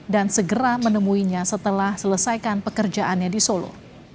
dan segera menemuinya setelah selesaikan pekerjaannya di solo